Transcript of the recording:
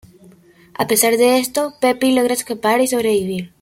A pesar de esto, Peppy logra escapar y sobrevivir.